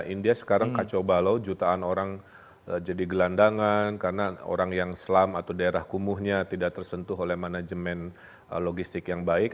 india sekarang kacau balau jutaan orang jadi gelandangan karena orang yang selam atau daerah kumuhnya tidak tersentuh oleh manajemen logistik yang baik